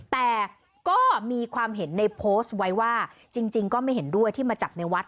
แต่ก็มีความเห็นในโพสต์ไว้ว่าจริงก็ไม่เห็นด้วยที่มาจับในวัด